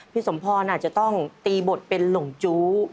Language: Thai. สมพรอาจจะต้องตีบทเป็นหลงจู้